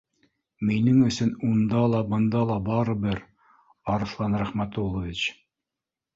Минең өсөн унда ла, бында ла барыбер, Арыҫлан Рәхмәтуллович